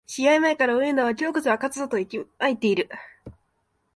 試合前から応援団は今日こそは勝つぞと息巻いている